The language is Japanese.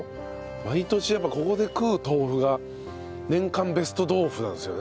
毎年やっぱここで食う豆腐が年間ベスト豆腐なんですよね。